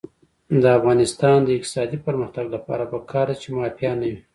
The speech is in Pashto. د افغانستان د اقتصادي پرمختګ لپاره پکار ده چې مافیا نه وي.